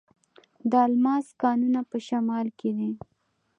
د الماس کانونه په شمال کې دي.